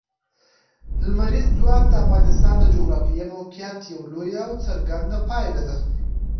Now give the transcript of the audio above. لمریز ځواک د افغانستان د جغرافیایي موقیعت یوه لویه او څرګنده پایله ده.